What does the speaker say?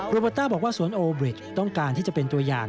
โบต้าบอกว่าสวนโอบริดต้องการที่จะเป็นตัวอย่าง